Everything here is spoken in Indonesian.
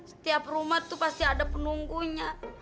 setiap rumah itu pasti ada penunggunya